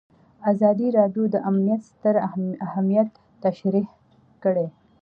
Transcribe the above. ازادي راډیو د امنیت ستر اهميت تشریح کړی.